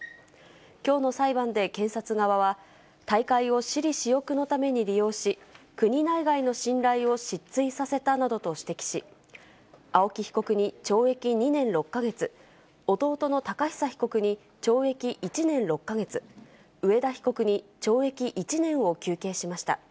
きょうの裁判で検察側は、大会を私利私欲のために利用し、国内外の信頼を失墜させたなどと指摘し、青木被告に懲役２年６か月、弟のたかひさ被告に懲役１年６か月、上田被告に懲役１年を求刑しました。